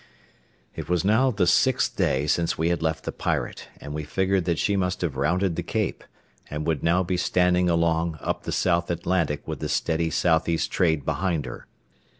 It was now the sixth day since we had left the Pirate, and we figured that she must have rounded the Cape, and would now be standing along up the South Atlantic with the steady southeast trade behind her.